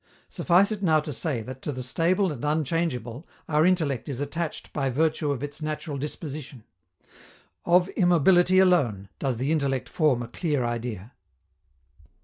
Suffice it now to say that to the stable and unchangeable our intellect is attached by virtue of its natural disposition. _Of immobility alone does the intellect form a clear idea.